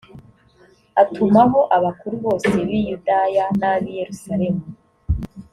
atumaho abakuru bose b i buyuda n ab i yeruslemu